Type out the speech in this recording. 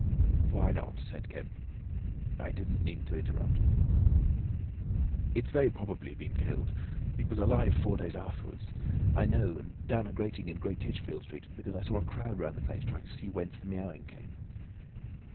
"Why not?" said Kemp. "I didn't mean to interrupt." "It's very probably been killed," said the Invisible Man. "It was alive four days after, I know, and down a grating in Great Titchfield Street; because I saw a crowd round the place, trying to see whence the miaowing came."